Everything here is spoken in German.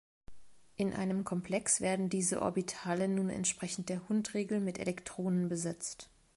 In einem Komplex werden diese Orbitale nun entsprechend der Hund-Regel mit Elektronen besetzt.